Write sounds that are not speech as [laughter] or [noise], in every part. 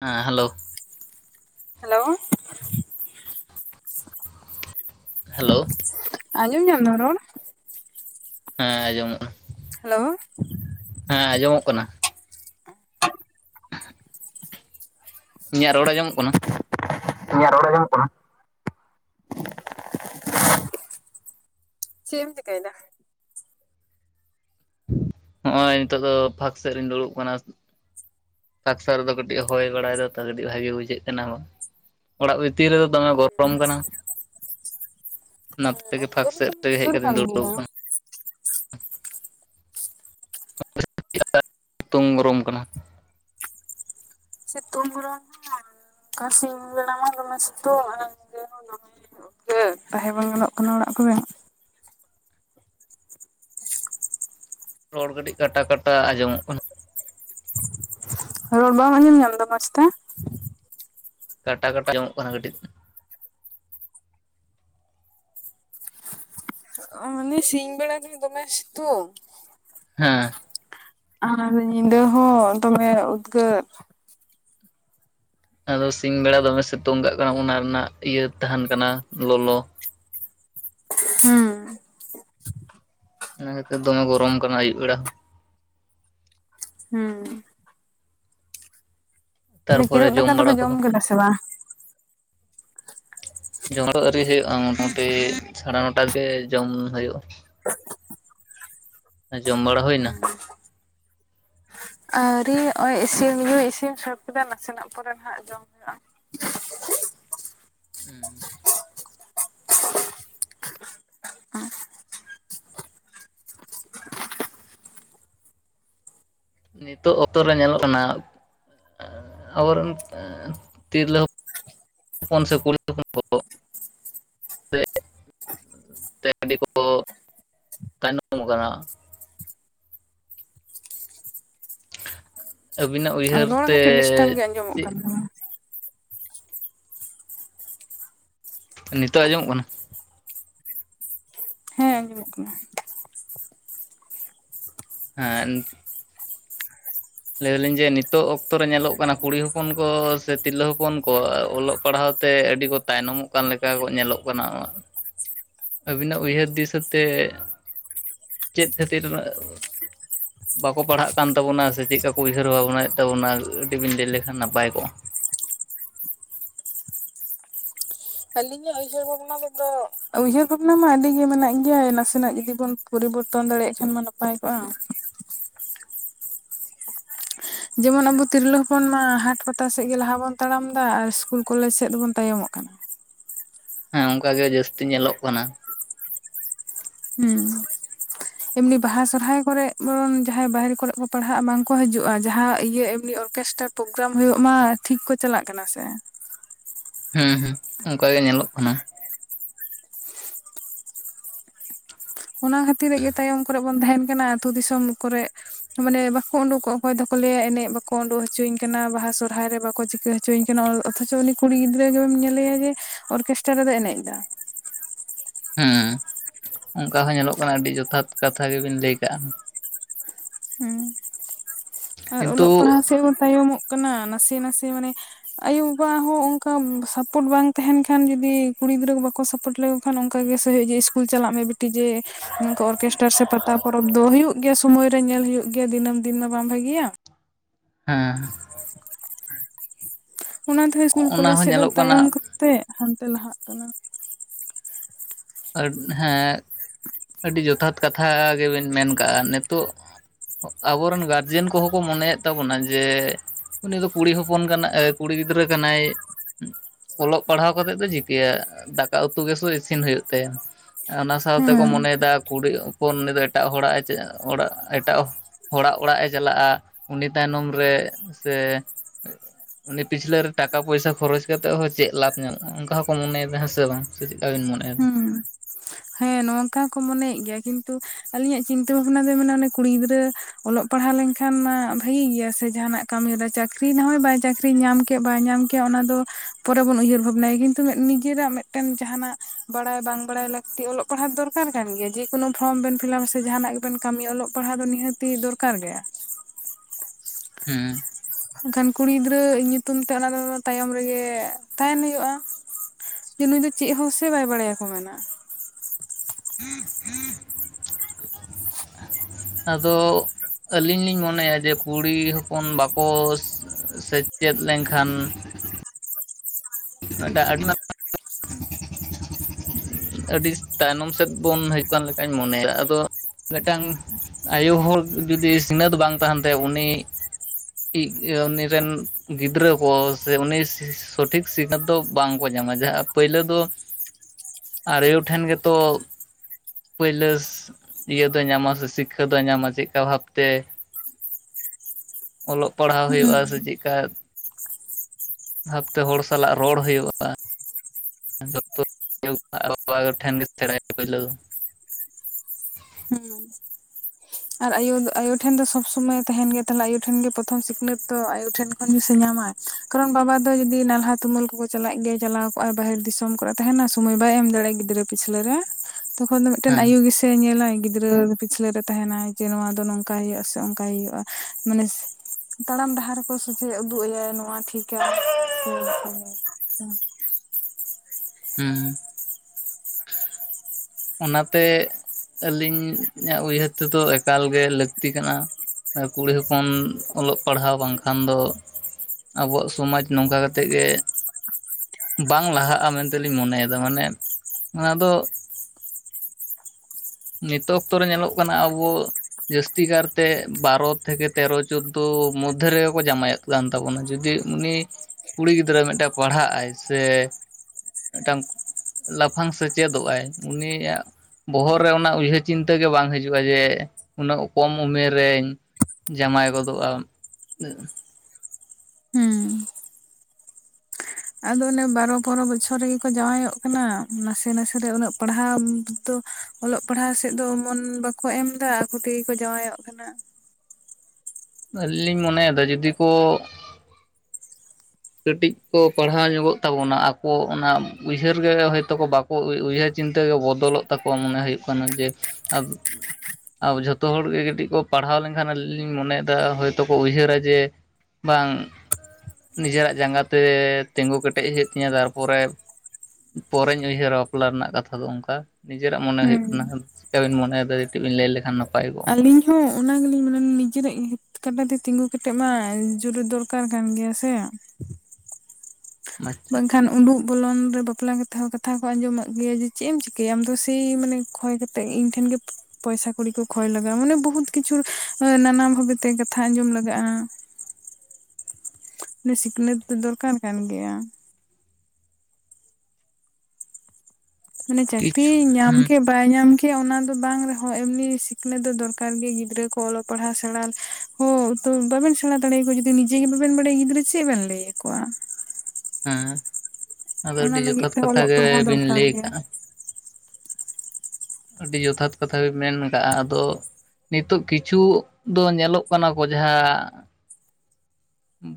ᱦᱮᱸ hello hello hello ᱟᱡᱚᱢ ᱧᱟᱢ ᱫᱟᱢ ᱨᱚᱲ? ᱦᱮᱸ ᱟᱡᱚᱢᱚᱜᱼᱟ᱾ ᱦᱮᱞᱳ ᱦᱮᱸ ᱟᱡᱚᱢᱚᱜ ᱠᱟᱱᱟ᱾ [inaudible] ᱤᱧᱟᱹᱜ ᱨᱚᱲ ᱟᱸᱡᱚᱢᱚᱜ ᱠᱟᱱᱟ? ᱤᱧᱟᱜ ᱨᱚᱲ ᱟᱡᱚᱢᱚᱜ ᱠᱟᱱᱟ ᱪᱮᱢ ᱪᱤᱠᱟᱹᱭᱫᱟ? ᱦᱚᱜᱼᱚᱭ ᱱᱤᱛᱚᱜ ᱫᱚ ᱯᱷᱟᱸᱠ ᱥᱮᱫ ᱨᱤᱧ ᱫᱩᱲᱩᱵ ᱠᱟᱱᱟ᱾ ᱯᱷᱟᱸᱠ ᱥᱮᱫ ᱨᱮᱫᱚ ᱠᱟᱹᱴᱤᱡ ᱮ ᱦᱚᱭ ᱵᱟᱲᱟᱭᱮᱫᱟ ᱛᱚ ᱠᱟᱹᱴᱤᱡ ᱵᱷᱟᱜᱤ ᱵᱩᱡᱷᱟᱹᱜ ᱠᱟᱱᱟ᱾ ᱚᱲᱟᱜ ᱵᱷᱤᱛᱤᱨ ᱨᱮᱫᱚ ᱫᱚᱢᱮ ᱜᱚᱨᱚᱢ ᱠᱟᱱᱟ ᱚᱱᱟᱛᱜᱮ ᱯᱷᱟᱸᱠ ᱩᱫᱽᱜᱟᱹᱨ ᱥᱮᱫ-ᱨᱮ᱾ ᱫᱚᱢ ᱱᱚᱛᱮ ᱦᱮᱡ ᱩᱫᱽᱜᱟᱹᱨ ᱠᱟᱛᱮᱧ ᱠᱟᱱ ᱜᱮᱭᱟ ᱫᱩᱲᱩᱟᱜ ᱠᱟᱱᱟ ᱾ ᱟᱯᱮ ᱥᱮᱫ ᱪᱮᱫᱠᱟ ᱥᱤᱛᱩᱝ ᱜᱚᱨᱚᱢ ᱠᱟᱱᱟ? ᱥᱤᱛᱩᱝ ᱜᱚᱨᱚᱢ ᱦᱚᱸ ᱚᱱᱠᱟ ᱥᱤᱧᱵᱮᱲᱟ ᱢᱟ ᱫᱚᱢᱮ ᱥᱤᱛᱩᱝ ᱟᱨ ᱧᱤᱫᱟᱹ ᱦᱚᱸ ᱫᱚᱢᱮ ᱦᱩᱸᱻ ᱛᱟᱦᱮᱸ ᱵᱟᱝ ᱜᱟᱱᱚᱜ ᱠᱟᱱᱟ ᱚᱲᱟᱜ ᱠᱚᱨᱮ ᱨᱚᱲ ᱠᱟᱹᱴᱤᱡ ᱠᱟᱴᱟ - ᱠᱟᱴᱟ ᱟᱸᱡᱚᱢᱚᱜ ᱠᱟᱱᱟ ᱨᱚᱲ ᱵᱟᱢ ᱟᱸᱡᱚᱢ ᱧᱟᱢ ᱫᱟ ᱯᱟᱥ [unintelligible] ᱠᱟᱴᱟ - ᱠᱟᱴᱟ ᱟᱡᱚᱢᱚᱜ ᱠᱟᱱᱟ ᱠᱟᱹᱴᱤᱡ ᱩᱱᱤ ᱥᱤᱧ ᱵᱮᱲᱟ ᱜᱮ ᱫᱚᱢᱮ ᱥᱤᱛᱩᱝ ᱦᱚᱸᱻ ᱟᱨ ᱧᱤᱫᱟᱹ ᱦᱚᱸ ᱫᱚᱢᱮ ᱩᱫᱽᱜᱟᱹᱨ ᱟᱫᱚ ᱥᱤᱧ ᱵᱮᱲᱟ ᱫᱚᱢᱮ ᱥᱤᱛᱩᱝ ᱠᱟᱜ ᱠᱟᱱᱟ ᱚᱱᱟ ᱨᱮᱱᱟᱜ ᱤᱭᱟᱹ ᱛᱟᱦᱮᱱ, ᱠᱟᱱᱟ ᱞᱚᱞᱚ ᱦᱩᱸ ᱚᱱᱟ ᱠᱷᱟᱹᱛᱤᱨ ᱫᱚᱢᱮ ᱜᱚᱨᱚᱢ ᱠᱟᱱᱟ ᱟᱹᱭᱩᱵ ᱵᱮᱲᱟ ᱦᱚᱸ ᱦᱩᱸ ᱞᱮ ᱠᱤᱨᱩᱵ ᱛᱟᱨᱯᱚᱨᱮ ᱫᱟᱠᱟ ᱵᱟᱲᱟ ᱫᱚᱯᱮ ᱠᱚᱫᱚ ᱡᱚᱢ ᱠᱮᱫᱟ ᱥᱮ ᱵᱟᱝᱟ ᱡᱚᱢᱫᱚ ᱟᱹᱨᱤ ᱦᱩᱭᱩᱜᱼᱟ ᱢᱳᱴᱟ - ᱢᱩᱩᱴᱤ ᱥᱟᱲᱮ ᱱᱚᱴᱟ ᱠᱮ ᱡᱚᱢ ᱦᱩᱭᱩᱜᱼᱟ ᱮᱸ ᱡᱚᱢ ᱵᱟᱲᱟ ᱦᱩᱭᱱᱟ ᱟᱻᱣᱨᱤ ᱚᱭ ᱤᱥᱤᱱ ᱦᱩᱭ ᱤᱥᱤᱱ ᱥᱟᱹᱛ ᱠᱮᱫᱟ ᱱᱟᱥᱮᱱᱟᱜ ᱯᱚᱨᱮ ᱫᱚ ᱦᱟᱸᱜ ᱡᱚᱢ ᱦᱩᱭᱩᱜᱼᱟ ᱦᱩᱸ [unintelligible] ᱱᱤᱛᱚᱜ ᱚᱛᱚᱨᱮ ᱧᱮᱞ ᱠᱟᱱᱟ ᱮᱸ ᱟᱵᱳᱨᱚᱱ ᱮᱸᱻ ᱛᱤᱨᱞᱟᱹ ᱦᱼᱼ ᱦᱚᱯᱚᱱ ᱥᱮ ᱠᱩᱲᱤ ᱦᱚᱯᱚᱱ ᱠᱚ ᱥᱮ ᱛᱮ ᱟᱹᱰᱤ ᱠᱚ ᱛᱟᱹᱭᱱᱩᱢ ᱠᱟᱱᱟ ᱟᱹᱵᱤᱱᱟᱜ ᱩᱭᱦᱟᱹᱨ ᱨᱚᱲ ᱛᱮᱻ ᱠᱟᱹᱴᱤᱡ ᱰᱤᱥᱴᱟᱵ ᱜᱮ ᱟᱸᱡᱚᱢᱚᱜ ᱠᱟᱱ ᱛᱟᱢᱟ ᱱᱤᱛᱚᱜ ᱟᱸᱡᱚᱢᱚᱜ ᱠᱟᱱᱟ ᱦᱮᱸ ᱟᱸᱡᱚᱢᱚᱜ ᱠᱟᱱᱟ ᱦᱟᱸᱻᱤᱱ ᱞᱟᱹᱭ ᱫᱟᱞᱤᱧ ᱡᱮ ᱱᱤᱛᱚᱜ ᱚᱠᱛᱚ ᱨᱮ ᱧᱮᱞᱚᱜ ᱠᱟᱱᱟ ᱠᱩᱲᱤ ᱦᱚᱯᱚᱱ ᱠᱚᱻ ᱥᱮ ᱛᱤᱨᱞᱟᱹ ᱦᱚᱯᱚᱱ ᱠᱚᱻ ᱚᱞᱚᱜ ᱯᱟᱲᱦᱟᱣ ᱛᱮᱻ ᱟᱹᱰᱤ ᱠᱚ ᱛᱟᱭᱱᱚᱢᱚᱜ ᱠᱟᱱ ᱞᱮᱠᱟ ᱠᱚ ᱧᱮᱞᱚᱜ ᱠᱟᱱᱟ ᱟᱹᱵᱤᱱᱟᱜ ᱩᱭᱦᱟᱹᱨ ᱫᱤᱥᱟᱹ ᱛᱮᱻ, ᱪᱮᱫ ᱠᱷᱟᱹᱛᱤᱨ ᱩᱱᱟᱹᱜ ᱵᱟᱠᱚ ᱯᱟᱲᱦᱟᱜ ᱠᱟᱱ ᱛᱟᱵᱟᱱᱟ ᱥᱮ ᱪᱮᱜᱠᱟ ᱠᱚ ᱩᱭᱦᱟᱹᱨ ᱵᱷᱟᱵᱱᱟᱭᱮᱫ ᱛᱟᱵᱚᱱᱟ ᱟᱹᱰᱤᱵᱤᱱ ᱞᱟᱹᱭ ᱞᱮᱠᱷᱟᱱ ᱱᱟᱯᱟᱭ ᱠᱚᱜᱼᱟ ᱟᱹᱞᱤᱧᱟᱜ ᱩᱭᱦᱟᱹᱨ ᱵᱚᱵᱽᱱᱟ [unintelligible] ᱩᱭᱦᱟᱹᱨ ᱵᱷᱟᱵᱽᱱᱟ ᱢᱟ ᱟᱹᱰᱤ ᱜᱮ ᱢᱮᱱᱟᱜ ᱜᱮᱭᱟᱭ ᱱᱟᱥᱮᱱᱟᱜ ᱡᱩᱫᱤ ᱵᱚᱱ ᱯᱚᱨᱤᱵᱚᱨᱛᱚᱱ ᱫᱟᱲᱮᱭᱟᱜ ᱠᱷᱟᱱ ᱢᱟ ᱱᱟᱯᱟᱭ ᱠᱚᱜᱼᱟ ᱡᱮᱢᱚᱱ ᱟᱵᱚ ᱛᱤᱨᱞᱟᱹ ᱦᱚᱯᱚᱱ ᱢᱟᱻ ᱦᱟᱴ ᱯᱟᱛᱟ ᱥᱮᱜ ᱜᱮ ᱞᱟᱦᱟ ᱵᱚᱱ ᱛᱟᱲᱟᱢ ᱫᱟ ᱟᱨ ᱥᱠᱩᱞ ᱠᱚᱞᱮᱡᱽ ᱥᱮᱫ ᱫᱚᱵᱚᱱ ᱛᱟᱭᱚᱢᱚᱜ ᱠᱟᱱᱟ ᱮᱸ ᱚᱝᱠᱟ ᱜᱮ ᱡᱟᱹᱥᱛᱤ ᱧᱮᱞᱚᱜ ᱠᱟᱱᱟ ᱦᱩᱸᱻ ᱮᱢᱱᱤ ᱵᱟᱦᱟ ᱥᱚᱨᱦᱟᱭ ᱠᱚᱨᱮ ᱵᱚᱱ ᱡᱟᱦᱟᱸᱭ ᱵᱟᱦᱨᱮ ᱠᱚᱨᱮ ᱠᱚ ᱯᱟᱲᱦᱟᱜᱼᱟ ᱵᱟᱝᱠᱚ ᱦᱤᱡᱩᱜᱼᱟ ᱡᱟᱦᱟᱸ ᱤᱭᱟᱹ ᱮᱵᱞᱤ ᱚᱨᱠᱼᱼ ᱠᱮᱥᱴᱟᱨ ᱯᱳᱜᱨᱟᱢ ᱦᱩᱭᱩᱜ ᱢᱟᱻ ᱴᱷᱤᱠ ᱠᱚ ᱪᱟᱞᱟᱜ ᱠᱟᱱᱟ ᱥᱮ ᱦᱩᱸ ᱦᱩᱸ ᱚᱱᱠᱟ ᱜᱮ ᱧᱮᱞᱚᱜ ᱠᱟᱱᱟ ᱚᱱᱟ ᱠᱷᱟᱹᱛᱤᱨᱮ ᱜᱮ ᱛᱟᱭᱚᱢ ᱠᱚᱨᱮᱜ ᱵᱚᱱ ᱛᱟᱦᱮᱱ ᱠᱟᱱᱟ ᱟᱹᱛᱩ ᱫᱤᱥᱚᱢ ᱠᱚᱨᱮᱜ ᱢᱟᱱᱮ ᱵᱟᱠᱚ ᱚᱰᱩᱠᱚᱜ ᱚᱠᱚᱭ ᱫᱚᱠᱚ ᱞᱟᱹᱭᱟ ᱮᱱᱮᱜ ᱵᱟᱠᱚ ᱩᱰᱜ ᱦᱚᱪᱚᱤᱧ ᱠᱟᱱᱟ ᱵᱟᱦᱟ ᱥᱚᱨᱦᱟᱭ ᱨᱮ ᱵᱟᱠᱚ ᱪᱤᱠᱟᱹ ᱦᱚᱪ ᱪᱚᱧ ᱠᱟᱱᱟ ᱚᱛᱷᱚᱪᱚ ᱩᱱᱤ ᱠᱩᱲᱤ ᱜᱤᱫᱽᱨᱟᱹ ᱜᱮᱢ ᱧᱮᱞᱮᱭᱟ ᱡᱮ ᱚᱨᱠᱮᱥᱴᱟᱨ ᱨᱮᱫᱚᱭ ᱮᱱᱮᱡ ᱮᱫᱟ ᱦᱩᱸᱻ ᱚᱱᱠᱟ ᱦᱚᱸ ᱧᱮᱞᱚᱜ ᱠᱟᱱᱟ ᱟᱹᱰᱤ ᱡᱚᱛᱷᱟᱛ ᱠᱟᱛᱷᱟ ᱜᱮᱵᱤᱱ ᱞᱟᱹᱭ ᱠᱟᱜᱼᱟ ᱦᱩᱸ ᱟᱨ ᱚᱞᱚᱜ ᱠᱤᱱᱛᱩ ᱯᱟᱲᱦᱟᱜ ᱥᱮᱜ ᱦᱚᱸᱵᱚ ᱛᱟᱭᱚᱢᱚᱜ ᱠᱟᱱᱟ ᱱᱟᱥᱮ ᱱᱟᱥᱮ ᱢᱟᱱᱮ ᱟᱭᱩᱵᱟᱵᱟ ᱦᱚᱸ ᱚᱱᱠᱟ ᱩᱸ ᱥᱟᱯᱳᱴ ᱵᱟᱝ ᱛᱟᱦᱮᱱ ᱠᱷᱟᱱ ᱡᱩᱚᱫᱤ ᱠᱩᱲᱤ ᱜᱤᱫᱽᱨᱟᱹ ᱠᱚ ᱵᱟᱠᱚ ᱥᱟᱯᱳᱴ ᱞᱮ ᱦᱮᱸ, ᱱᱚᱝᱠᱟ ᱜᱮ ᱥᱮ ᱡᱮ ᱤᱥᱠᱩᱞ ᱪᱟᱞᱟᱜ ᱢᱮ ᱵᱤᱴᱤ ᱡᱮ ᱱᱚᱝᱠᱟ ᱚᱨᱠᱮᱥᱴᱟᱨ ᱥᱮ ᱯᱟᱛᱟ ᱯᱚᱨᱚᱵᱽ ᱫᱚ ᱦᱩᱭᱩᱜᱭᱳ ᱜᱮᱭᱟ ᱥᱚᱢᱚᱭ ᱨᱮ ᱧᱮᱞᱦᱮᱭᱩᱜ ᱜᱮᱭᱟ ᱱᱟᱹᱢ ᱫᱤᱱ ᱢᱟ ᱵᱟᱝ ᱵᱷᱟᱜᱤ ᱤᱭᱟᱸ [unintelligible] [inaudible] ᱼᱼ ᱚᱱᱟ ᱛᱮᱦᱚᱸ ᱤᱥᱠᱩᱞ ᱚᱱᱟ ᱠᱚᱞᱮᱡᱽ ᱦᱚᱸ ᱥᱮᱫ ᱫᱚ ᱧᱮᱞᱚᱜ ᱛᱟᱭᱚᱢ ᱠᱟᱱᱟ ᱠᱚ ᱛᱮᱜ ᱦᱟᱱᱛᱮ ᱞᱟᱦᱟᱜ ᱠᱟᱱᱟ ᱟᱹᱫ ᱦᱮᱸᱻ, ᱟᱹᱰᱤ ᱡᱚᱛᱷᱟᱛ ᱠᱟᱛᱷᱟ ᱜᱮᱵᱤᱱ ᱢᱮᱱ ᱠᱟᱜᱼᱟ ᱱᱮᱛᱳᱜ ᱟᱵᱚ ᱨᱮᱱ ᱜᱟᱨᱡᱮᱱ ᱠᱚᱦᱚᱸ ᱠᱚ ᱢᱚᱱᱮᱭᱮᱫ ᱛᱟᱵᱚᱱᱟ ᱡᱮ ᱩᱱᱤ ᱫᱚ ᱠᱩᱲᱤ ᱦᱚᱯᱚᱱ ᱠᱟᱱᱟᱭ ᱠᱩᱲᱤ ᱜᱤᱫᱽᱨᱟᱹ ᱠᱟᱱᱟᱭ ᱚᱞᱚᱜ ᱯᱟᱲᱦᱟᱣ ᱠᱟᱛᱮᱜ ᱫᱚ ᱪᱮᱠᱟᱹᱭᱟ ᱫᱟᱠᱟ ᱩᱛᱩ ᱜᱮᱥᱮ ᱤᱥᱤᱱ ᱦᱩᱭᱩᱜ ᱛᱟᱭᱟ ᱾ ᱚᱱᱟ ᱥᱟᱶ ᱛᱮᱠᱚ ᱦᱮᱸ ᱢᱚᱱᱮᱭᱮᱫᱟ ᱠᱩᱲᱤ ᱦᱚᱯᱚᱱ ᱩᱱᱤ ᱫᱚ ᱮᱴᱟᱜ ᱦᱚᱲᱟᱜ ᱮ ᱦᱚᱲᱟᱜ ᱮᱴᱟᱜ ᱦᱚᱲᱟᱜ ᱚᱲᱟᱜ ᱮ ᱪᱟᱞᱟᱜᱼᱟ ᱩᱱᱤ ᱛᱟᱭᱱᱚᱢ ᱨᱮ ᱥᱮ ᱩᱱᱤ ᱯᱤᱪᱷᱞᱟᱹ ᱨᱮ ᱴᱟᱠᱟ ᱯᱚᱭᱥᱟ ᱠᱷᱚᱨᱚᱪ ᱠᱟᱛᱮᱫ ᱦᱚᱸ ᱪᱮᱫ ᱞᱟᱵᱷ ᱧᱟᱢᱚᱜᱼᱟ ᱚᱱᱠᱟ ᱦᱚᱸᱠᱚ ᱢᱚᱱᱮᱭᱮᱫᱟ ᱦᱮᱸ ᱥᱮ ᱵᱟᱝ ᱥᱮ ᱪᱮᱫᱠᱟ ᱵᱤᱱ ᱢᱚᱱᱮᱭᱮᱫᱟ ᱾ ᱦᱮᱸ ᱦᱮᱸ ᱱᱚᱝᱠᱟ ᱠᱚ ᱢᱚᱱᱮᱭᱮᱜ ᱜᱮᱭᱟ ᱠᱤᱱᱛᱩ ᱟᱞᱤᱧᱟᱜ ᱪᱤᱱᱛᱟᱹ ᱵᱷᱟᱵᱽᱱᱟ ᱫᱚᱭ ᱢᱮ ᱚᱱᱮ ᱠᱩᱲᱤ ᱜᱤᱫᱽᱨᱟᱹ ᱚᱞᱚᱜ ᱯᱟᱲᱦᱟᱣ ᱞᱮᱱᱠᱷᱟᱱ ᱢᱟ ᱵᱷᱟᱜᱤ ᱜᱮᱭᱟ ᱥᱮ ᱡᱟᱦᱱᱟᱜ ᱠᱟᱹᱢᱤ ᱨᱮ ᱪᱟᱹᱠᱨᱤ ᱨᱮᱦᱚᱭ ᱵᱟᱭ ᱪᱟᱹᱠᱨᱤᱭ ᱧᱟᱢ ᱠᱮ ᱵᱟᱭ ᱧᱟᱢ ᱠᱮᱭᱟ ᱚᱱᱟ ᱫᱚ ᱯᱚᱨᱮ ᱵᱚᱱ ᱩᱭᱦᱟᱹᱨ ᱵᱷᱟᱵᱽᱱᱟᱭᱟ ᱠᱤᱱᱛᱩ ᱱᱤᱡᱮᱨᱟᱜ ᱢᱤᱫᱴᱮᱱ ᱡᱟᱦᱱᱟᱜ ᱵᱟᱲᱟᱭ ᱵᱟᱝ ᱵᱟᱲᱟᱭ ᱞᱟᱹᱠᱛᱤ ᱚᱞᱚᱜ ᱯᱟᱲᱦᱟ ᱫᱚᱨᱠᱟᱨ ᱠᱟᱱ ᱜᱮᱭᱟ ᱡᱮᱠᱳᱱᱳ ᱯᱷᱚᱨᱚᱢ ᱵᱮᱱ ᱯᱷᱤᱞᱟᱵ ᱟᱥᱮ ᱡᱟᱦᱟᱱᱟᱜ ᱜᱮᱵᱮᱱ ᱠᱟᱹᱢᱤᱭᱟ ᱚᱞᱚᱜ ᱯᱟᱲᱦᱟᱜ ᱫᱚ ᱱᱤᱦᱟᱹᱛᱤ ᱫᱚᱨᱠᱟᱨ ᱜᱮᱭᱟ ᱦᱮᱸ ᱮᱱᱠᱷᱟᱱ ᱠᱩᱲᱤ ᱜᱤᱫᱽᱨᱟᱹᱻ ᱧᱩᱛᱩᱢ ᱛᱮ ᱚᱱᱟ ᱫᱚ ᱟᱫᱟ ᱛᱟᱭᱚᱢ ᱨᱮᱜᱮᱻᱜ ᱛᱟᱦᱮᱱ ᱦᱩᱭᱩᱜᱼᱟ ᱡᱮ ᱱᱩᱭ ᱫᱚ ᱪᱮᱫ ᱦᱚᱸ ᱥᱮ ᱵᱟᱭ ᱵᱟᱲᱟᱭᱟ ᱠᱚ ᱢᱮᱱᱟ ᱟᱫᱚ ᱟᱹᱞᱤᱧ ᱞᱤᱧ ᱢᱚᱱᱮᱭᱟ ᱡᱮ ᱠᱩᱲᱤ ᱦᱚᱯᱚᱱ ᱵᱟᱠᱚᱼ ᱥᱮᱪᱮᱫ ᱞᱮᱱᱠᱷᱟᱱ [inaudible] ᱟᱹᱰᱤ ᱛᱟᱭᱱᱚᱢ ᱥᱮᱫ ᱵᱚᱱ ᱦᱩᱭᱩᱜ ᱠᱟᱱ ᱞᱮᱠᱟᱧ ᱢᱚᱱᱮᱭᱟ ᱟᱫᱚ ᱢᱤᱫᱴᱟᱝ ᱟᱭᱳ ᱦᱚᱲ ᱡᱩᱫᱤ ᱥᱤᱱᱟᱹᱛ ᱵᱟᱝ ᱛᱟᱦᱮᱸᱱ ᱛᱟᱭᱟ ᱩᱱᱤ ᱩᱱᱤ ᱨᱮᱱ ᱜᱤᱫᱽᱨᱟᱹ ᱠᱚ ᱥᱮ ᱩᱱᱤ ᱥᱚᱴᱷᱤᱠ ᱥᱤᱠᱷᱱᱟᱹᱛ ᱫᱚ ᱵᱟᱝᱠᱚ ᱧᱟᱢᱟ ᱡᱟᱦᱟᱸ ᱯᱟᱭᱞᱟᱹ ᱫᱚ ᱟᱨ ᱟᱭᱩ ᱴᱷᱮᱱ ᱜᱮᱛᱚ ᱯᱟᱹᱭᱞᱟᱹ ᱤᱭᱟᱹ ᱫᱚᱭ ᱧᱟᱢᱟ ᱥᱮ ᱥᱤᱠᱠᱷᱟᱹ ᱫᱚᱭ ᱧᱟᱢᱟ ᱪᱮᱫ ᱞᱮᱠᱟ ᱵᱷᱟᱵᱽᱛᱮ ᱚᱞᱚᱜ ᱯᱟᱲᱦᱟᱣ ᱦᱩᱸ ᱦᱩᱭᱩᱜᱭᱼᱟ ᱥᱮ ᱪᱮᱫᱠᱟ ᱵᱷᱟᱵᱛᱮ ᱦᱚᱲ ᱥᱟᱞᱟᱜ ᱨᱚᱲ ᱦᱩᱭᱩᱜᱼᱟ ᱾ ᱡᱚᱛᱚ [unintelligible] ᱠᱚ ᱴᱷᱮᱱ ᱜᱮ ᱥᱮᱬᱟᱭᱟ ᱯᱳᱭᱞᱳ ᱫᱚ ᱦᱩᱸ ᱟᱨ ᱟᱭᱳ ᱟᱭᱳ ᱴᱷᱮᱱ ᱫᱚ ᱥᱚᱵᱽ ᱥᱚᱢᱚᱭ ᱛᱟᱦᱮᱱ ᱜᱮᱭᱟ ᱛᱟᱦᱞᱮ ᱟᱭᱳ ᱴᱷᱮᱱ ᱜᱮ ᱯᱨᱚᱛᱷᱚᱢ ᱥᱤᱠᱷᱱᱟᱹᱛ ᱛᱚ ᱟᱭᱳ ᱴᱷᱮᱱ ᱠᱷᱚᱱ ᱜᱮᱥᱮ ᱧᱟᱢᱟᱭ ᱾ ᱠᱟᱨᱚᱱ ᱵᱟᱵᱟ ᱫᱚ ᱡᱩᱫᱤ ᱱᱟᱞᱦᱟ ᱛᱩᱢᱟᱹᱞ ᱠᱚᱠᱚ ᱪᱟᱞᱟᱜ ᱜᱮᱭᱟ ᱪᱟᱞᱟᱣ ᱠᱚᱜᱼᱟ, ᱵᱟᱦᱮᱨ ᱫᱤᱥᱚᱢ ᱠᱚᱨᱮᱜ ᱛᱟᱦᱮᱸᱱᱟ ᱥᱚᱢᱚᱭ ᱵᱟᱭ ᱮᱢ ᱫᱟᱲᱮᱭᱟ ᱜᱤᱫᱽᱨᱟᱹ ᱯᱤᱪᱷᱟᱹ ᱨᱮ ᱛᱚᱠᱷᱚᱱ ᱫᱚ ᱢᱤᱫᱴᱮᱱ ᱦᱮᱸ ᱟᱭᱩ ᱜᱮᱥᱮ ᱧᱮᱞᱟᱭ ᱜᱤᱫᱽᱨᱟᱹ ᱯᱤᱪᱷᱟᱹ ᱨᱮ ᱛᱟᱦᱮᱱᱟᱭ ᱾ ᱡᱮ ᱱᱚᱣᱟ ᱫᱚ ᱱᱚᱝᱠᱟᱭ ᱦᱩᱭᱩᱜ ᱟᱥᱮ ᱚᱱᱠᱟᱭ ᱦᱩᱭᱩᱜᱼᱟ ᱢᱟᱱᱮ ᱛᱟᱲᱟᱢ ᱰᱟᱦᱟᱨ ᱨᱮᱠᱚ ᱥᱚᱡᱷᱮ ᱩᱫᱩᱜ ᱟᱭᱟ ᱱᱚᱣᱟ ᱴᱷᱤᱠᱟ ᱥᱮ ᱵᱷᱩᱞᱟ ᱦᱩᱸ ᱚᱱᱟᱛᱮ ᱟᱹᱞᱤᱧᱟᱜ ᱩᱭᱦᱟᱹᱨ ᱛᱮᱫᱚ ᱮᱠᱟᱞ ᱜᱮ ᱞᱟᱹᱠᱛᱤ ᱠᱟᱱᱟ ᱾ ᱠᱩᱲᱤ ᱦᱚᱯᱚᱱ ᱚᱞᱚᱜ ᱯᱟᱲᱦᱟᱣ ᱵᱟᱝᱠᱷᱟᱱ ᱫᱚ ᱟᱵᱚᱣᱟᱜ ᱥᱚᱢᱟᱡᱽ ᱱᱚᱝᱠᱟ ᱠᱟᱛᱮᱫ ᱜᱮ ᱵᱟᱝ ᱞᱟᱦᱟᱜᱼᱟ ᱢᱮᱱᱛᱮᱞᱤᱧ ᱢᱚᱱᱮᱭᱮᱫᱟ ᱢᱟᱱᱮ ᱚᱱᱟ ᱫᱚ ᱱᱤᱛᱚᱜ ᱚᱠᱛᱚᱨᱮ ᱧᱮᱞᱚᱜ ᱠᱟᱱᱟ ᱟᱵᱚ ᱡᱟᱹᱥᱛᱤ ᱠᱟᱨᱛᱮ ᱵᱟᱨᱚ ᱛᱷᱮᱠᱮ ᱛᱮᱨᱚ ᱪᱳᱫᱫᱳ ᱢᱚᱫᱽᱫᱷᱮ ᱨᱮᱜᱮ ᱠᱚ ᱡᱟᱢᱟᱭᱮᱫ ᱠᱟᱱ ᱛᱟᱵᱚᱱᱟ ᱡᱩᱫᱤ ᱩᱱᱤ ᱠᱩᱲᱤ ᱜᱤᱫᱽᱨᱟᱹ ᱢᱤᱫᱴᱮᱱ ᱯᱟᱲᱦᱟᱜ ᱟᱭ ᱥᱮ ᱢᱤᱫᱴᱟᱝ ᱞᱟᱯᱷᱟᱝ ᱥᱮᱪᱮᱫᱚᱜ ᱟᱭ ᱩᱱᱤᱭᱟᱜ ᱵᱚᱦᱚᱜ ᱨᱮ ᱚᱱᱟ ᱩᱭᱦᱟᱹᱨ ᱪᱤᱱᱛᱟᱹ ᱜᱮ ᱵᱟᱝ ᱦᱤᱡᱩᱜᱼᱟ ᱡᱮ ᱩᱱᱟᱹᱜ ᱠᱚᱢ ᱩᱢᱮᱨ ᱨᱮᱧ ᱡᱟᱶᱟᱭ ᱜᱚᱫᱚᱜᱼᱟ ᱾ ᱦᱩᱸ ᱟᱫᱚ ᱚᱱᱮ ᱵᱟᱨᱚ ᱯᱚᱱᱚᱨᱚ ᱵᱚᱪᱷᱚᱨ ᱨᱮᱜᱮ ᱠᱚ ᱡᱟᱶᱟᱭᱚᱜ ᱠᱟᱱᱟ ᱱᱟᱥᱮ ᱱᱟᱥᱮᱨᱮ ᱩᱱᱟᱹᱜ ᱯᱟᱲᱦᱟᱣ ᱛᱚ ᱚᱞᱚᱜ ᱯᱟᱲᱦᱟᱜ ᱥᱮᱫ ᱫᱚ ᱢᱚᱱ ᱵᱟᱠᱚ ᱮᱢ ᱮᱫᱟ, ᱟᱠᱚ ᱛᱮᱜᱮ ᱠᱚ ᱡᱟᱶᱟᱭᱚᱜ ᱠᱟᱱᱟ ᱾ ᱟᱹᱞᱤᱧ ᱞᱤᱧ ᱢᱚᱱᱮᱭᱮᱫᱟ ᱡᱩᱫᱤ ᱠᱚ ᱠᱟᱹᱴᱤᱡ ᱠᱚ ᱯᱟᱲᱦᱟᱣ ᱧᱚᱜᱚᱜ ᱛᱟᱵᱚᱱᱟ ᱟᱠᱚ ᱚᱱᱟ ᱩᱭᱦᱟᱹᱨ ᱜᱮ ᱦᱳᱭᱛᱳ ᱠᱚ ᱵᱟᱠᱚ ᱩᱭᱦᱟᱹᱨ ᱪᱤᱱᱛᱟᱹᱜᱮ ᱵᱚᱫᱚᱞᱚᱜ ᱛᱟᱠᱚᱣᱟ ᱢᱚᱱᱮ ᱦᱩᱭᱩᱜ ᱠᱟᱱᱟ ᱡᱮ ᱟᱵᱚ ᱡᱷᱚᱛᱚ ᱦᱚᱲᱜᱮ ᱠᱟᱹᱴᱤᱡ ᱠᱚ ᱯᱟᱲᱦᱟᱣ ᱞᱮᱱᱠᱷᱟᱱ ᱟᱹᱞᱤᱧ ᱞᱤᱧ ᱢᱚᱱᱮᱭᱮᱫᱟ ᱦᱳᱭᱛᱳ ᱠᱚ ᱩᱭᱦᱟᱹᱨᱟ ᱡᱮ ᱵᱟᱝ ᱱᱤᱡᱮᱨᱟᱜ ᱡᱟᱸᱜᱟ ᱛᱮ ᱛᱤᱸᱜᱩ ᱠᱮᱴᱮᱡ ᱦᱩᱭᱩᱜ ᱛᱤᱧᱟᱹ ᱛᱟᱨᱯᱚᱨᱮ ᱯᱚᱨᱮᱧ ᱩᱭᱦᱟᱹᱨᱟ ᱵᱟᱯᱞᱟ ᱨᱮᱱᱟᱜ ᱠᱟᱛᱷᱟ ᱫᱚ ᱚᱱᱠᱟ ᱱᱤᱡᱮᱨᱟᱜ ᱢᱚᱱᱮ ᱦᱩᱭᱩᱜ ᱠᱟᱱᱟ ᱦᱩᱸ ᱪᱤᱠᱟᱹᱵᱤᱱ ᱢᱚᱱᱮᱭᱫᱟ ᱠᱟᱹᱴᱤᱡ ᱵᱤᱱ ᱞᱟᱹᱭ ᱞᱮᱠᱷᱟᱱ ᱱᱟᱯᱟᱭ ᱠᱚ ᱟᱹᱞᱤᱧ ᱦᱚᱸ ᱚᱱᱟ ᱜᱮᱞᱤᱧ ᱢᱟᱱᱮ ᱱᱤᱡᱮᱨᱟᱜ ᱛᱚ ᱱᱟ ᱛᱤᱸᱜᱩ ᱠᱟᱴᱮᱡ ᱢᱟ ᱡᱟᱨᱩᱲ ᱫᱚᱨᱠᱟᱨ ᱠᱟᱱ ᱜᱮᱭᱟ ᱥᱮ? ᱟᱪᱪᱷᱟ ᱵᱟᱝᱠᱷᱟᱱ ᱩᱰᱩᱜ ᱵᱚᱞᱚᱱ ᱨᱮ ᱵᱟᱯᱞᱟ ᱠᱟᱛᱮ ᱦᱚᱸ ᱠᱟᱛᱷᱟ ᱠᱚ ᱟᱸᱡᱚᱢᱟᱜ ᱜᱮᱭᱟ ᱡᱮ ᱪᱮᱫ ᱮᱢ ᱪᱤᱠᱟᱹᱭᱟ ᱟᱢ ᱫᱚ ᱥᱮᱭ ᱢᱟᱱᱮ ᱠᱷᱚᱭ ᱠᱟ ᱛᱮᱜ ᱤᱧ ᱴᱷᱮᱱ ᱜᱮ ᱯᱚᱭᱥᱟ ᱠᱩᱲᱤ ᱠᱚ ᱠᱷᱚᱭ ᱞᱟᱜᱟᱜᱼᱟ ᱢᱟᱱᱮ ᱵᱚᱦᱩᱛ ᱠᱤᱪᱷᱩ ᱱᱟᱱᱟ ᱵᱷᱟᱵᱮᱛᱮ ᱠᱟᱛᱷᱟ ᱟᱸᱡᱚᱢ ᱞᱟᱜᱟᱜᱼᱟ᱾ ᱥᱤᱠᱷᱱᱟᱹᱛ ᱫᱚ ᱫᱚᱨᱠᱟᱨ ᱠᱟᱱ ᱜᱮᱭᱟ᱾ ᱢᱟᱱᱮ ᱪᱟᱹᱠᱨᱤ ᱠᱤᱪᱷᱩ ᱧᱟᱢ ᱦᱮᱸ ᱠᱮᱫ ᱵᱟᱭ ᱧᱟᱢ ᱠᱮᱭᱟ ᱚᱱᱟ ᱫᱚ ᱵᱟᱝ ᱨᱮᱦᱚᱸ ᱮᱢᱱᱤ ᱥᱤᱠᱷᱱᱟᱹᱛ ᱫᱚ ᱫᱚᱨᱠᱟᱨ ᱜᱮ ᱜᱤᱫᱽᱨᱟᱹ ᱠᱚ ᱚᱞᱚᱜ ᱯᱟᱲᱦᱟᱜ ᱥᱮᱬᱟ ᱦᱚᱸ ᱛᱚ ᱵᱟᱵᱮᱱ ᱥᱮᱬᱟ ᱫᱟᱲᱮᱭᱟᱠᱚᱣᱟ ᱡᱩᱫᱤ ᱱᱤᱡᱮᱜ ᱜᱮ ᱵᱟᱵᱮᱱ ᱵᱟᱲᱟᱭᱟ ᱜᱤᱫᱽᱨᱟᱹ ᱪᱮᱫ ᱵᱮᱱ ᱞᱟᱹᱭ ᱟᱠᱚᱣᱟ? ᱦᱮᱸ ᱟᱫᱚ ᱟᱹᱰᱤ ᱚᱱᱟ ᱞᱟᱹᱜᱤᱫ ᱡᱚᱛᱷᱟᱛ ᱛᱮ ᱠᱟᱛᱷᱟ ᱚᱞᱚᱜ ᱯᱟᱲᱦᱟᱣ ᱜᱮᱵᱤᱱ ᱫᱚᱨᱠᱟᱨ ᱞᱟᱹᱭ ᱜᱮᱭᱟ ᱠᱟᱜᱼᱟ ᱾ ᱟᱹᱰᱤ ᱡᱚᱛᱷᱟᱛ ᱠᱟᱛᱷᱟ ᱜᱮ ᱢᱮᱱ ᱟᱠᱟᱜᱼᱟ ᱟᱫᱚ ᱱᱤᱛᱚᱜ ᱠᱤᱪᱷᱩ ᱫᱚ ᱧᱮᱞᱚᱜ ᱠᱟᱱᱟ ᱠᱚ ᱡᱟᱸᱦᱟ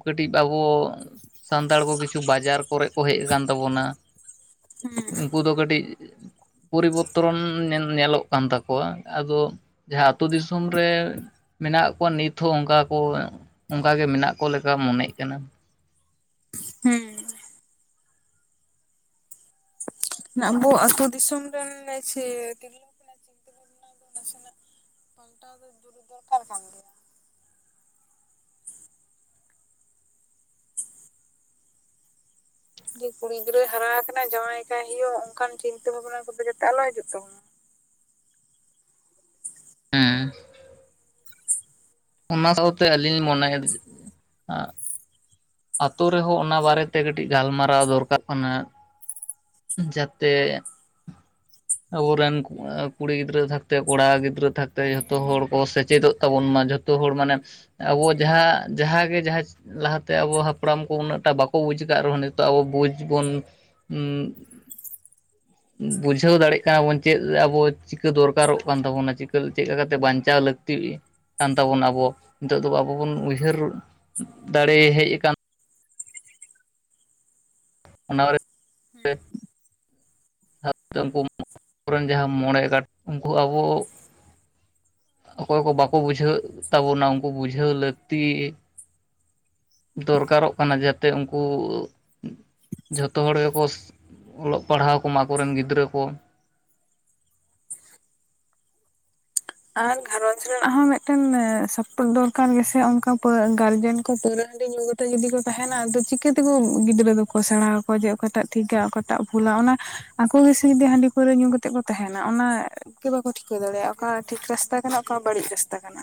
ᱠᱟᱹᱴᱤᱡ ᱵᱟᱵᱩ ᱥᱟᱱᱛᱟᱲ ᱠᱚ ᱠᱤᱪᱷᱩ ᱵᱟᱡᱟᱨ ᱠᱚᱨᱮ ᱠᱚ ᱦᱮᱡ ᱟᱠᱟᱱ ᱛᱟᱵᱚᱱᱟ᱾ ᱩᱱᱠᱩ ᱫᱚ ᱠᱟᱹᱴᱤᱡ ᱯᱚᱨᱤᱵᱚᱨᱛᱚᱱ ᱧᱮᱞ ᱧᱮᱞᱚᱜ ᱠᱟᱱ ᱛᱟᱠᱚᱣᱟ, ᱟᱫᱚ ᱡᱟᱦᱟᱸ ᱟ ᱟᱹᱛᱩ ᱫᱤᱥᱚᱢ ᱨᱮ ᱢᱮᱱᱟᱜ ᱠᱚᱣᱟ ᱱᱤᱛ ᱦᱚᱸ ᱚᱱᱠᱟ ᱠᱚ ᱚᱱᱠᱟ ᱜᱮ ᱢᱮᱱᱟᱜ ᱠᱚ ᱞᱮᱠᱟ ᱢᱚᱱᱮᱮᱜ ᱠᱟᱱᱟ᱾ ᱦᱮᱸ ᱟᱵᱚ ᱟᱹᱛᱳ ᱫᱤᱥᱚᱢ ᱨᱮᱱ ᱥᱮ ᱛᱤᱨᱞᱟᱹ ᱠᱚ ᱪᱤᱱᱟᱹ ᱵᱷᱟᱵᱽᱱᱟ ᱱᱟᱥᱮᱱᱟᱜ ᱯᱟᱞᱴᱟᱣ ᱫᱚ ᱫᱩᱨ ᱫᱚᱨᱠᱟᱨ ᱠᱟᱱ ᱜᱮᱭᱟ᱾ ᱡᱮ ᱠᱩᱲᱤ ᱜᱤᱫᱽᱨᱟᱹᱭ ᱦᱟᱨᱟ ᱟᱠᱟᱱᱟ ᱡᱟᱶᱟᱭ ᱠᱟᱭ ᱦᱳᱭᱳᱜ, ᱚᱱᱠᱟᱱ ᱪᱤᱱᱛᱟᱹ ᱵᱷᱟᱵᱱᱟ ᱠᱚᱫᱚ ᱡᱟᱛᱮ ᱟᱞᱚ ᱦᱤᱡᱩᱜ ᱛᱟᱵᱚᱱ ᱢᱟ᱾ ᱦᱮᱸ ᱚᱱᱟ ᱥᱟᱶᱛᱮ ᱟᱹᱞᱤᱧ ᱞᱤᱧ ᱢᱚᱱᱮᱭᱟ ᱟᱸᱜ ᱟᱛᱳ ᱨᱮᱦᱚᱸ ᱚᱱᱟ ᱵᱟᱨᱮᱛᱮ ᱠᱟᱹᱴᱤᱡ ᱜᱟᱞᱢᱟᱨᱟᱣ ᱫᱚᱨᱠᱟᱨ ᱠᱟᱱᱟ᱾ ᱡᱟᱛᱮ ᱟᱵᱚᱨᱮᱱ ᱠᱩᱲᱤ ᱜᱤᱫᱽᱨᱟᱹ ᱛᱷᱟᱠᱛᱮ ᱠᱚᱲᱟ ᱜᱤᱫᱽᱨᱟᱹ ᱛᱷᱟᱠᱛᱮ ᱡᱷᱚᱛᱚ ᱦᱚᱲ ᱠᱚ ᱥᱮᱪᱮᱫᱚᱜ ᱛᱟᱵᱚᱱ ᱢᱟ ᱡᱷᱚ ᱛᱚ ᱦᱚᱲ ᱢᱟᱱᱮ ᱟᱵᱚ ᱡᱟᱦᱟᱸ ᱡᱟᱦᱟᱸᱮ ᱡᱟᱦᱟᱸ ᱞᱟᱦᱟ ᱛᱮ ᱟᱵᱚ ᱦᱟᱯᱲᱟᱢ ᱠᱚ ᱩᱱᱟᱹᱜᱴᱟ ᱵᱟᱠᱚ ᱵᱩᱡᱽ ᱠᱟᱫ ᱨᱮᱦᱚᱸ ᱱᱤᱛᱚᱜ ᱟᱵᱚ ᱵᱩᱡᱽ ᱵᱚᱱ ᱩᱸᱜ [inaudible] ᱵᱩᱡᱷᱟᱹᱣ ᱫᱟᱲᱮᱭᱟᱜ ᱠᱟᱱᱟ ᱵᱚᱱ ᱪᱮᱫ ᱟᱵᱚ ᱪᱤᱠᱟᱹ ᱫᱚᱨᱠᱟᱨᱚᱜ ᱠᱟᱱ ᱛᱟᱵᱚᱱᱟ ᱪᱤᱠᱟᱹ ᱪᱮᱫ ᱠᱟᱛᱮ ᱵᱟᱧᱪᱟᱣ ᱞᱟᱹᱠᱛᱤ ᱠᱟᱱ ᱛᱟᱵᱚᱱᱟ᱾ ᱟᱵᱚ ᱱᱤᱛᱚᱜ ᱫᱚ ᱟᱵᱚ ᱵᱚᱱ ᱩᱭᱦᱟᱹᱨ ᱫᱟᱲᱮ ᱦᱮᱡ ᱟᱠᱟᱱ ᱚᱱᱟ ᱫᱷᱟᱶ ᱩᱱᱠᱩᱵᱮᱱ ᱡᱟᱦᱟᱸ ᱢᱚᱬᱮ ᱜᱟᱴ ᱩᱱᱠᱩ ᱟᱵᱚ ᱚᱠᱚᱭ ᱠᱚ ᱵᱟᱠᱚ ᱵᱩᱡᱷᱟᱹᱣ ᱛᱟᱵᱚᱱᱟ ᱩᱱᱠᱩ ᱵᱩᱡᱷᱟᱹᱣ ᱞᱟᱹᱠᱛᱤ, ᱫᱚᱨᱠᱟᱨᱚᱜ ᱠᱟᱱᱟ ᱡᱟᱛᱮ ᱩᱱᱠᱩ ᱡᱷᱚᱛᱚ ᱦᱚᱲ ᱜᱮᱠᱚ ᱥᱚ ᱚᱞᱚᱜ ᱯᱟᱲᱦᱟᱣ ᱠᱚᱢᱟ ᱟᱠᱚᱨᱮᱱ ᱜᱤᱫᱽᱨᱟᱹ ᱠᱚ ᱟᱨ ᱜᱷᱟᱨᱚᱡᱽ ᱨᱮᱱᱟᱜ ᱦᱚᱸ ᱢᱤᱫᱴᱮᱱ ᱥᱟᱯᱳᱴ ᱫᱚᱨᱠᱟᱨ ᱜᱮᱥᱮ ᱚᱱᱠᱟ ᱜᱟᱨᱡᱮᱱ ᱠᱚ ᱯᱟᱣᱨᱟᱹ ᱦᱟᱰᱤ ᱧᱩ ᱡᱩᱫᱤ ᱠᱚ ᱛᱟᱦᱮᱱᱟ ᱟᱫᱚ ᱪᱤᱠᱟᱹᱛᱮᱠᱚ ᱜᱤᱫᱽᱨᱟᱹ ᱫᱚᱠᱚ ᱥᱮᱬᱟ ᱟᱠᱚᱣᱟ ᱡᱮ ᱚᱠᱟᱴᱟᱜ ᱴᱷᱤᱠ-ᱟ ᱚᱠᱟᱴᱟᱜ ᱵᱷᱩᱞᱟ ᱚᱱᱟ ᱟᱠᱚ ᱜᱮᱥᱮ ᱡᱩᱫᱤ ᱦᱟᱺᱰᱤ ᱯᱟᱹᱣᱨᱟᱹ ᱧᱩ ᱠᱟᱛᱮᱫ ᱠᱚ ᱛᱟᱦᱮᱱᱟ ᱚᱱᱟ ᱜᱮ ᱵᱟᱠᱚ ᱴᱷᱤᱠᱟᱹ ᱫᱟᱲᱮᱭᱟᱜᱼᱟ ᱚᱠᱟ ᱴᱷᱤᱠ ᱨᱟᱥᱛᱟ ᱠᱟᱱᱟ ᱚᱠᱟ ᱵᱟᱹᱲᱤᱡ ᱨᱟᱥᱛᱟ ᱠᱟᱱᱟ᱾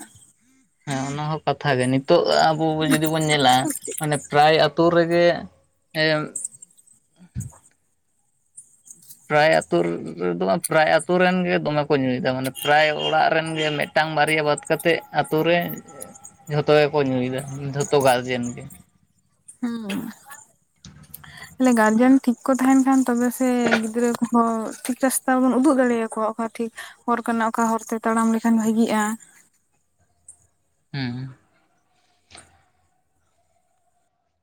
ᱦᱮᱸ ᱚᱱᱟ ᱦᱚᱸ ᱠᱟᱛᱷᱟ ᱜᱮ ᱱᱤᱛᱚᱜ ᱟᱵᱚ ᱡᱩᱫᱤ ᱵᱚᱱ ᱧᱮᱞᱟ ᱢᱟᱱᱮ ᱯᱨᱟᱭ ᱟᱛᱳ ᱨᱮᱜᱮ ᱯᱨᱟᱭ ᱟᱹᱛᱳ ᱨᱮᱫᱚ ᱯᱨᱟᱭ ᱟᱛᱳ ᱨᱮᱱ ᱜᱮ ᱫᱚᱢᱮ ᱠᱚ ᱧᱩᱭᱮᱫᱟ ᱢᱟᱱᱮ ᱯᱨᱟᱭ ᱚᱲᱟᱜ ᱨᱮᱱ ᱜᱮ ᱢᱮᱫ ᱢᱤᱫᱴᱟᱝ ᱵᱟᱨᱭᱟ ᱵᱟᱫ ᱠᱟᱛᱮᱜ ᱟᱛᱳ ᱨᱮ ᱡᱷᱚᱛᱚ ᱜᱮᱠᱚ ᱧᱩᱭᱮᱫᱟ, ᱡᱷᱚᱛᱚ ᱜᱟᱨᱡᱮᱱ ᱜᱮ ᱦᱩᱸ ᱚᱱᱮ ᱜᱟᱨᱡᱮᱱ ᱴᱷᱤᱠ ᱠᱚ ᱛᱟᱦᱮᱱ ᱠᱷᱟᱱ ᱛᱚᱵᱮᱥᱮ ᱜᱤᱫᱽᱨᱟᱹ ᱠᱚᱦᱚᱸ ᱴᱷᱤᱠ ᱨᱟᱥᱛᱟ ᱵᱚᱱ ᱩᱫᱩᱜ ᱫᱟᱲᱮᱭᱟᱠᱚᱣᱟ᱾ ᱦᱚᱸ ᱴᱷᱤᱠ ᱦᱚᱨ ᱠᱟᱱᱟ ᱚᱠᱟ ᱦᱚᱨ ᱛᱮ ᱛᱟᱲᱟᱢ ᱞᱮᱠᱷᱟᱱ ᱵᱷᱟᱜᱤᱜᱼᱟ᱾ ᱦᱩᱸ